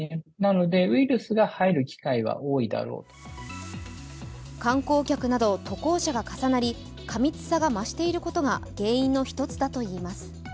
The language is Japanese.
更に観光客など渡航者が重なり過密さが増していることが原因の一つだといいます。